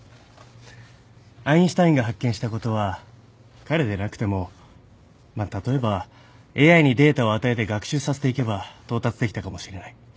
アインシュタインが発見したことは彼でなくてもまあ例えばＡＩにデータを与えて学習させていけば到達できたかもしれない。